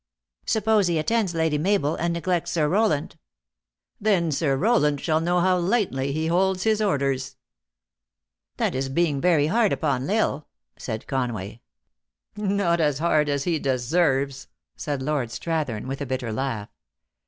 " Suppose he attends Lady Mabel, and neglects Sir Rowland ?"" Then Sir Rowland shall know how lightly he holds his orders." "That is being very hard upon L Isle," said Con way. " Not as hard as he deserves," said Lord Strath ern with a bitter laugh.